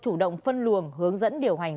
chủ động phân luồng hướng dẫn điều hành